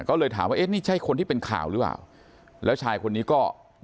ก็เลยถามว่าเอ๊ะนี่ใช่คนที่เป็นข่าวหรือเปล่าแล้วชายคนนี้ก็